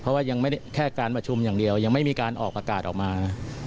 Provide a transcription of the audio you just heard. เพราะว่ายังไม่ได้แค่การประชุมอย่างเดียวยังไม่มีการออกประกาศออกมา